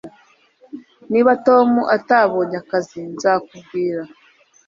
niba tom atabonye akazi, nzakubwira